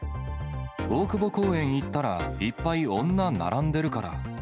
大久保公園行ったらいっぱい女並んでるから。